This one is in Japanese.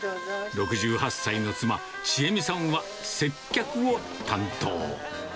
６８歳の妻、千栄美さんは接客を担当。